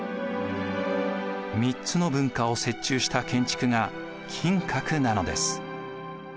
３つの文化を折衷した建築が金閣なのです。